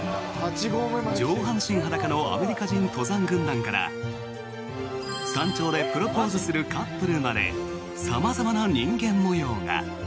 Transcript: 上半身裸のアメリカ人登山軍団から山頂でプロポーズするカップルまで様々な人間模様が。